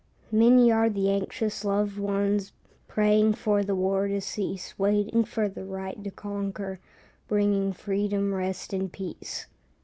Many are the anxious loved ones Praying for the war to cease, Waiting for the right to conquer, Bringing freedom, rest, and peace.